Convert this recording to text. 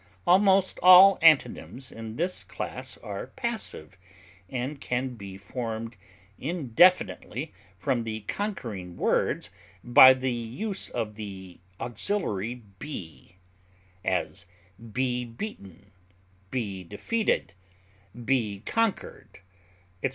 Almost all antonyms in this class are passive, and can be formed indefinitely from the conquering words by the use of the auxiliary be; as, be beaten, be defeated, be conquered, etc.